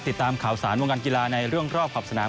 ติดตามข่าวสารวงการกีฬาในเรื่องรอบขอบสนาม